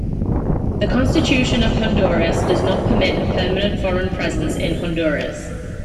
The Constitution of Honduras does not permit a permanent foreign presence in Honduras.